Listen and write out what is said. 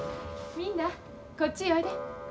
みんなこっちへおいで。